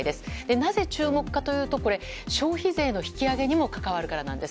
なぜ注目かというと消費税の引き上げにも関わるからなんです。